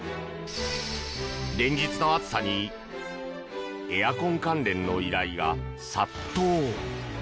連日の暑さにエアコン関連の依頼が殺到。